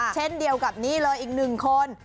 เช่นเดียวกับนี่เลยอีกหนึ่งคน